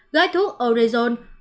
gói thuốc orezon